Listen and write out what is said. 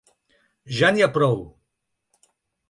Ja n’hi ha prou!